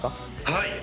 はい。